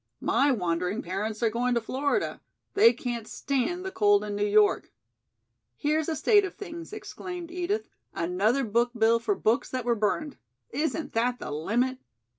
"My wandering parents are going to Florida. They can't stand the cold in New York." "Here's a state of things," exclaimed Edith, "another book bill for books that were burned. Isn't that the limit?"